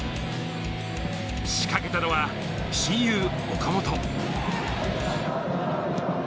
仕掛けたのは親友・岡本。